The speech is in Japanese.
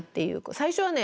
最初はね